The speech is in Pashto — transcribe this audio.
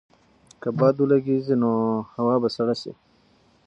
که باد ولګېږي نو هوا به سړه شي.